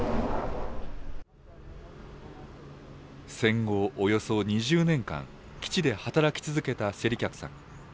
戦後およそ２０年間、基地で働き続けた勢理客さん。